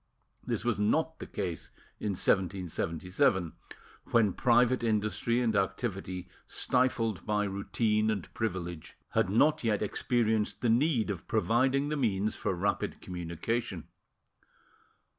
This was not the case in 1777, when private industry and activity, stifled by routine and privilege, had not yet experienced the need of providing the means for rapid communication.